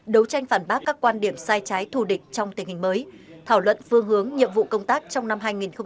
đấu tranh phản bác các quan điểm sai trái thù địch trong tình hình mới thảo luận phương hướng nhiệm vụ công tác trong năm hai nghìn hai mươi